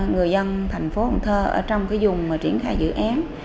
người dân thành phố cần thơ ở trong cái dùng triển khai dự án